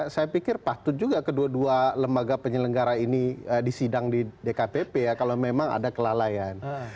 saya pikir patut juga kedua dua lembaga penyelenggara ini disidang di dkpp ya kalau memang ada kelalaian